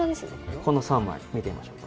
この３枚、見てみましょうか。